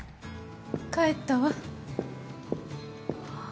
帰ったわ。